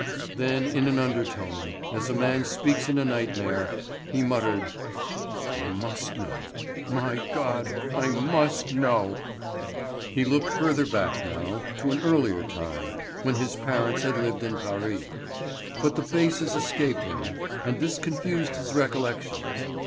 Then in an undertone, as a man speaks in a nightmare, he muttered: "I must know. My God! I must know." He looked further back now, to an earlier time, when his parents had lived in Paris. But the faces escaped him, and this confused his recollections.